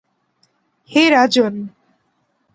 হে রাজন!